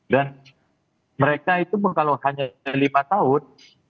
dan mereka itu kalau hanya lima tahun